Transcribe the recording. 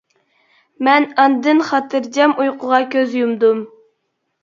مەن ئاندىن خاتىرجەم ئۇيقۇغا كۆز يۇمدۇم.